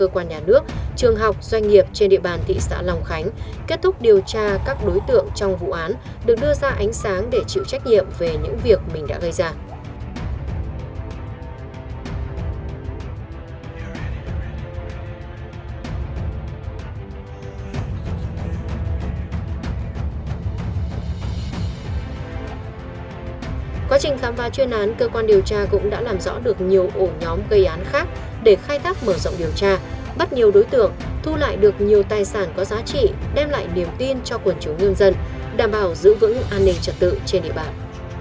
quá trình khám phá chuyên án cơ quan điều tra cũng đã làm rõ được nhiều ổ nhóm gây án khác để khai thác mở rộng điều tra bắt nhiều đối tượng thu lại được nhiều tài sản có giá trị đem lại niềm tin cho quần chủ ngân dân đảm bảo giữ vững an ninh trật tự trên địa bàn